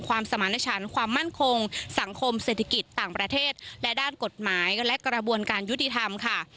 สมารณชันความมั่นคงสังคมเศรษฐกิจต่างประเทศและด้านกฎหมายและกระบวนการยุติธรรมค่ะ